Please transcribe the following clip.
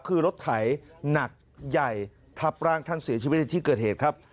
คือรถไถหนักใหญ่ทับร่างท่านเสียชีวิตในที่เกิดเหตุครับ